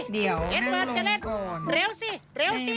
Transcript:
เดี๋ยวนั่นลงก่อนเอ็ดเวิร์ดจะเล่น